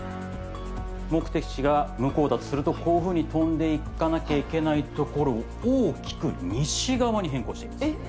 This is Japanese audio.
目的地が向こうだとするとこういうふうに飛んでいかなきゃいけないところを大きく西側に変更しています。